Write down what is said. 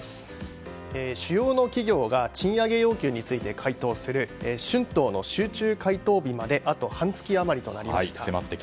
主要企業が賃上げ要求について回答する春闘の集中回答日まであと半月余りとなりました。